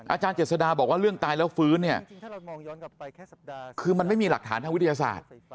อาจารย์เจษฎาบอกว่าเรื่องตายแล้วฟื้นเนี่ยคือมันไม่มีหลักฐานทางวิทยาศาสตร์